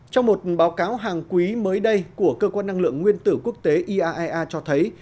trong một báo cáo hàng quý mới đây của cơ quan năng lượng nguyên tử quốc tế iaea cho thấy